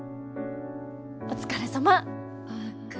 お疲れさま。